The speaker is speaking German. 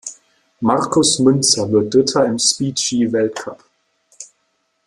Markus Münzer wird Dritter im Speed-Ski Weltcup.